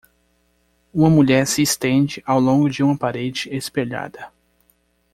Uma mulher se estende ao longo de uma parede espelhada.